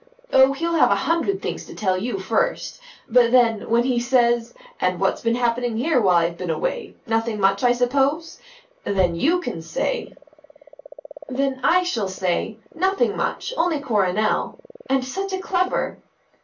Oh, he'll have a hundred things to tell you first; but then, when he says 'And what's been happening here while I've been away? Nothing much, I suppose?' then you can say " "Then I shall say, 'Nothing much; only Coronel.' And such a clever!"